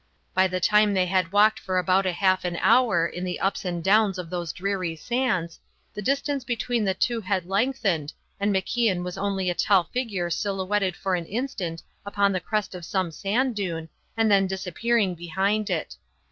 By the time they had walked for about half an hour in the ups and downs of those dreary sands, the distance between the two had lengthened and MacIan was only a tall figure silhouetted for an instant upon the crest of some sand dune and then disappearing behind it.